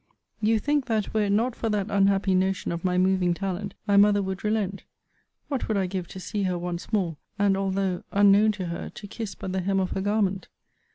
You think that, were it not for that unhappy notion of my moving talent, my mother would relent. What would I give to see her once more, and, although unknown to her, to kiss but the hem of her garment!